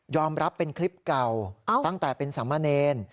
ยอมรับเป็นคลิปเก่าตั้งแต่เป็นสัมมาเนณ